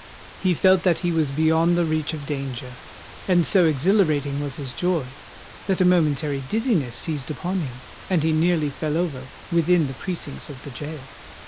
He felt that he was beyond the reach of danger; and so exhilarating was his joy, that a momentary dizziness seized upon him—and he nearly fell over within the precincts of the gaol.